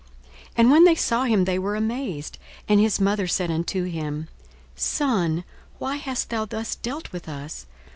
42:002:048 And when they saw him, they were amazed: and his mother said unto him, Son, why hast thou thus dealt with us?